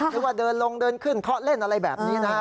หรือว่าเดินลงเดินขึ้นเคาะเล่นอะไรแบบนี้นะครับ